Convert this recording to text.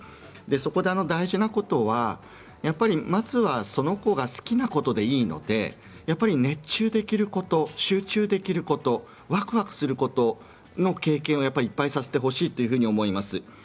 そこで大事なことはまずはその子が好きなことでいいので熱中できること、集中できることわくわくすること経験をいっぱいさせてほしいなと思います。